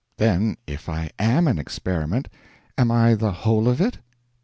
Then if I am an experiment, am I the whole of it?